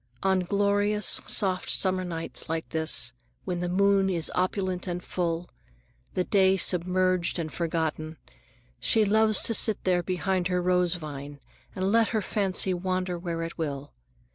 On glorious, soft summer nights like this, when the moon is opulent and full, the day submerged and forgotten, she loves to sit there behind her rose vine and let her fancy wander where it will.